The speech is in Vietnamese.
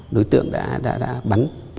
đối tượng đã bắn